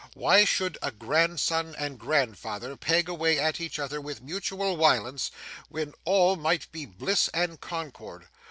Why should a grandson and grandfather peg away at each other with mutual wiolence when all might be bliss and concord.